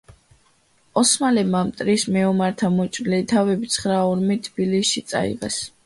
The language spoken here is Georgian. ოსმალებმა მტრის მეომართა მოჭრილი თავები ცხრა ურმით თბილისში წაიღეს.